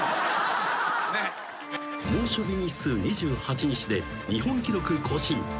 ［猛暑日日数２８日で日本記録更新］